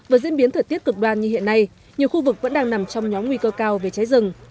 với diễn biến thời tiết cực đoan như hiện nay nhiều khu vực vẫn đang nằm trong nhóm nguy cơ cao về cháy rừng